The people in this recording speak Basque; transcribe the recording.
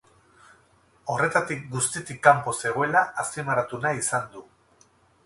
Horretatik guztitik kanpo zegoela azpimarratu nahi izan du.